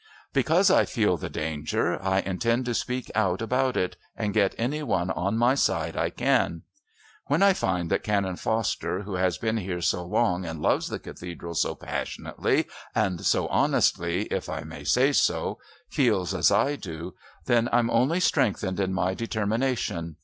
"Because I feel the danger, I intend to speak out about it, and get any one on my side I can. When I find that Canon Foster who has been here so long and loves the Cathedral so passionately and so honestly, if I may say so, feels as I do, then I'm only strengthened in my determination.